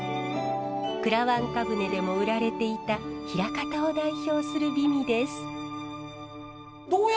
くらわんか舟でも売られていた枚方を代表する美味です。